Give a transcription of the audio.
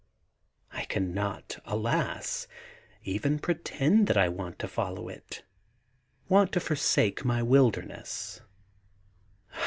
I cannot, alas 1 even pretend that I want to follow it, want to forsake my wilderness.